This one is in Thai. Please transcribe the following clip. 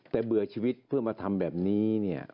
แต่เบื่อชีวิตเพื่อมาทำแบบนี้เนี่ย